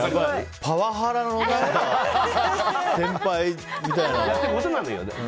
パワハラの先輩みたいな。